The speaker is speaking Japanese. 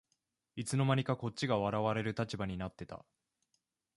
いつの間にかこっちが笑われる立場になってた